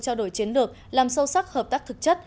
trao đổi chiến lược làm sâu sắc hợp tác thực chất